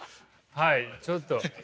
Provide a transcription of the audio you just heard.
はいちょっと。